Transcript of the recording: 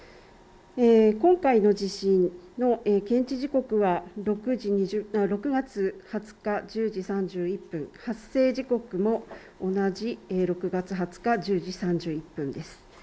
今回の地震の検知時刻は６月２０日１０時３１分発生時刻も同じ６月２０日１０時３１分です。